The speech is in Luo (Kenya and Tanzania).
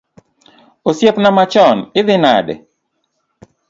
Osiepna machon, idhi nade?